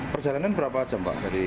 perjalanan berapa jam